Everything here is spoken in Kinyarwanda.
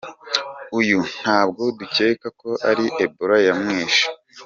Uyu ntabwo dukeka ko ari ebola yamwishe.